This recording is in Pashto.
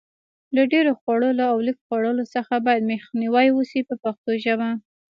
له ډېر خوړلو او لږ خوړلو څخه باید مخنیوی وشي په پښتو ژبه.